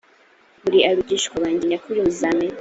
muri abigishwa banjye nyakuri, muzamenya